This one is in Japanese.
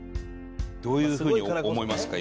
どういうふうに思いますか？